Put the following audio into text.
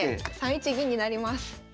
３一銀になります。